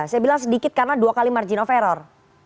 saya bilang sedikit karena dua kali margin of error